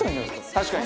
確かに。